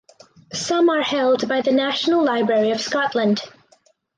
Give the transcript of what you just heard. Some are held by the National Library of Scotland.